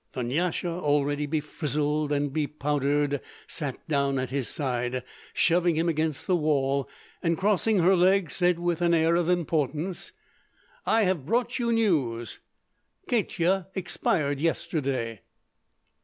Dunyasha, already befrizzled and bepowdered, sat down at his side, shoving him against the wall, and, crossing her legs, said with an air of importance: "I have brought you news. Katya expired yesterday?"